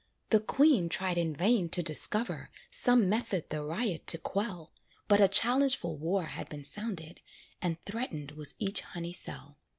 The queen tried in vain to discover Some method the riot to quell; But a challenge for war had been sounded, And threatened was each honey cell.